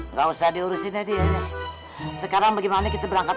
nggak usah diurusin aja sekarang bagaimana kita berangkat